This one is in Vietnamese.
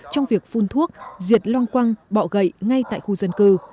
trong việc phun thuốc diệt loang quăng bọ gậy ngay tại khu dân cư